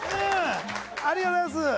ありがとうございます。